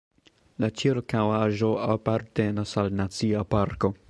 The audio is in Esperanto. La ĉirkaŭaĵo apartenas al Nacia parko.